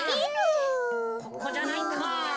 ここじゃないか。